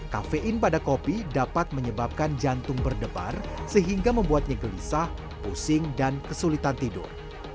kafein pada kopi dapat menyebabkan jantung berdebar sehingga membuatnya gelisah pusing dan kesulitan tidur